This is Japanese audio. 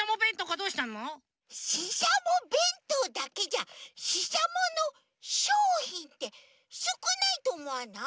ししゃもべんとうだけじゃししゃものしょうひんってすくないとおもわない？